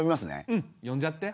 うん呼んじゃって。